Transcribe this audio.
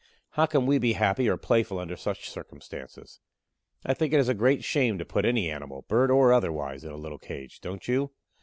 How can we be happy or playful under such circumstances? I think it is a great shame to put any animal, bird or otherwise, in a little cage; don't you?